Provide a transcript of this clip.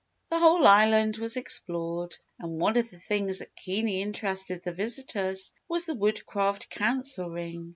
The whole island was explored and one of the things that keenly interested the visitors was the Woodcraft Council Ring.